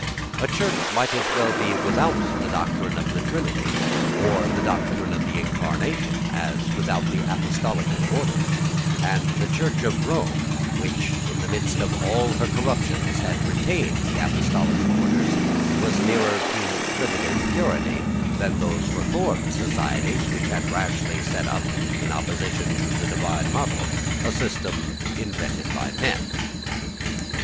A church might as well be without the doctrine of the Trinity, or the doctrine of the Incarnation, as without the apostolical orders; and the Church of Rome, which, in the midst of all her corruptions, had retained the apostolical orders, was nearer to primitive purity than those reformed societies which had rashly set up, in opposition to the divine model, a system invented by men.